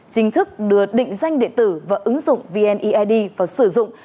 chính thức đưa định danh điện tử và ứng dụng vneid vào sử dụng